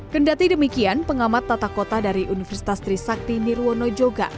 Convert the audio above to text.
kendati demikian pengamat tata kota dari universitas trisakti nirwono juga